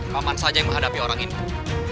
papan saja yang menghadapi orang ini